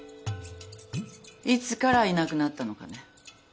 いつからいなくなったのかね？